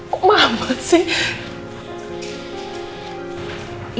kok mama sih